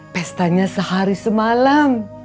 pestanya sehari semalam